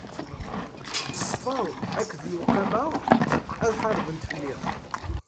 Ṣṣfa akked lewqama ad ḥarbent fell-i.